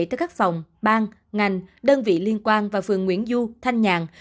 tới các phòng bang ngành đơn vị liên quan và phường nguyễn du thanh nhạc